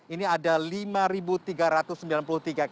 ini ada lima ribuan kasus